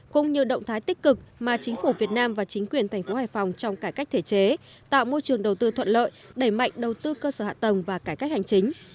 cũng như động thái tích cực mà chính phủ việt nam và chính quyền thành phố hải phòng trong cải cách thể chế tạo môi trường đầu tư thuận lợi đẩy mạnh đầu tư cơ sở hạ tầng và cải cách hành chính